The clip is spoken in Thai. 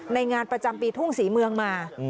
งานประจำปีทุ่งศรีเมืองมา